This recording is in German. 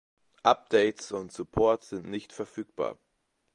Updates und Support sind nicht verfügbar.